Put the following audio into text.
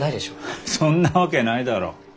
ハッそんなわけないだろう？